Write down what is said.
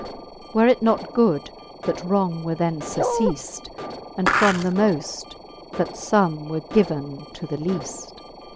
Were it not good, that wrong were then furceaft, And from the moft, that fome were given to the leaft